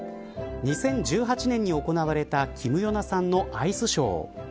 ２０１８年に行われたキム・ヨナさんのアイスショー。